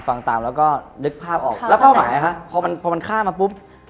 ฟังตามแล้วก็นึกภาพออกแล้วเป้าหมายฮะพอมันพอมันข้ามมาปุ๊บ